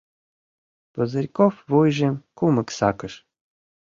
Пузырьков вуйжым кумык сакыш.